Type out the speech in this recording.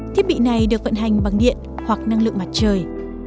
thiết bị này được vận hành bằng điện hoặc năng lượng mặt trời